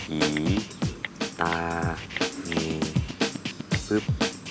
อีตามีซึบ